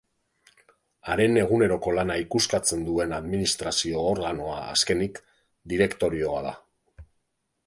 Haren eguneroko lana ikuskatzen duen administrazio-organoa, azkenik, direktorioa da.